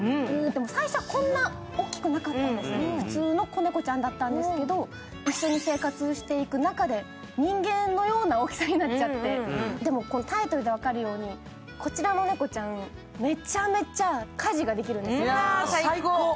最初はこんな大きくなかったんです、普通の猫ちゃんだったんですけど、一緒に生活をしていく中で人間のような大きさになっちゃってでも、タイトルで分かるように、こちらの猫ちゃん、めちゃめちゃ家事ができるんですよ。